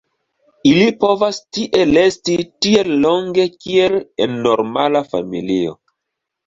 Ili povas tie resti tiel longe kiel en normala familio.